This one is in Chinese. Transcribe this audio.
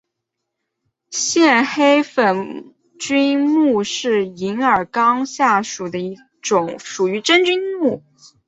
线黑粉菌目是银耳纲下属的一种属于真菌的目。